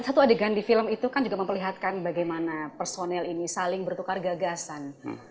satu adegan di film itu kan juga memperlihatkan bagaimana personel ini saling bertukar gagasan